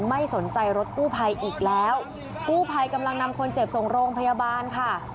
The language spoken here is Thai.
ไม่สนใจรถกู้ภัยอีกแล้วกู้ภัยกำลังนำคนเจ็บส่งโรงพยาบาลค่ะ